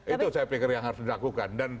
itu saya pikir yang harus dilakukan